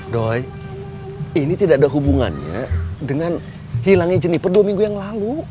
doy ini tidak ada hubungannya dengan hilangnya jeniper dua minggu yang lalu